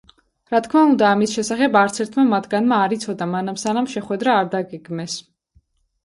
რა თქმა უნდა, ამის შესახებ არცერთმა მათგანმა არ იცოდა მანამ, სანამ შეხვედრა არ დაგეგმეს.